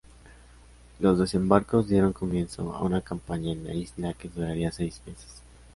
Los desembarcos dieron comienzo a una campaña en la isla que duraría seis meses.